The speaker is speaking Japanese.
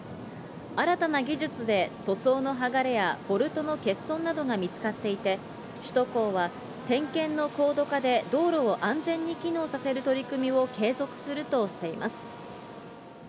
新たな技術で塗装の剥がれやボルトの欠損などが見つかっていて、首都高は、点検の高度化で道路を安全に機能させる取り組みを継続するとしています。